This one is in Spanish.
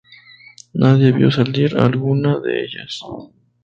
Nadie vio salir a alguna de ellas.